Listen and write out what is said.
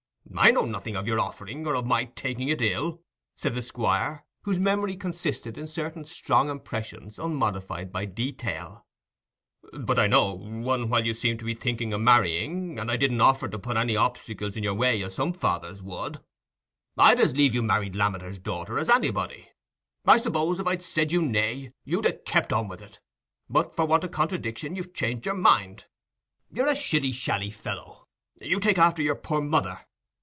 "I know nothing o' your offering or o' my taking it ill," said the Squire, whose memory consisted in certain strong impressions unmodified by detail; "but I know, one while you seemed to be thinking o' marrying, and I didn't offer to put any obstacles in your way, as some fathers would. I'd as lieve you married Lammeter's daughter as anybody. I suppose, if I'd said you nay, you'd ha' kept on with it; but, for want o' contradiction, you've changed your mind. You're a shilly shally fellow: you take after your poor mother.